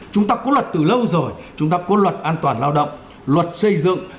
chúng ta có luật từ lâu rồi chúng ta có luật an toàn lao động luật xây dựng